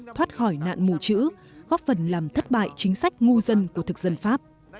thoát khỏi nạn mụ chữ góp phần làm thất bại chính sách ngu dân của thực dân pháp